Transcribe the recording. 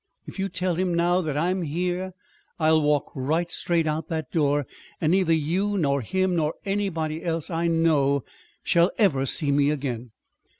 If you tell him now that I am here, I will walk right straight out of that door, and neither you nor him nor anybody else I know shall ever see me again."